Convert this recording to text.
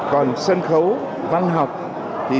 còn sân khấu văn học thì